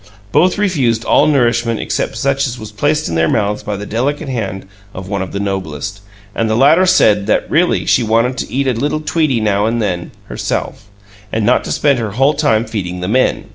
Both refused all nourishment except such as was placed in their mouths by the delicate hand of one of the Noblest, and the latter said that really she wanted to eat a little tweetie now and then herself, and not to spend her whole time feeding the Men.